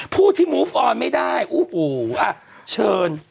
พูดที่ติดต่อหม่อไม่ได้โอ้โหอะเชิญ